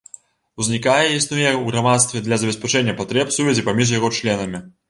Узнікае і існуе ў грамадстве для забеспячэння патрэб сувязі паміж яго членамі.